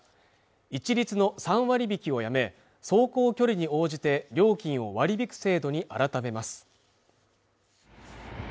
一律の３割引をやめ走行距離に応じて料金を割り引く制度に改めます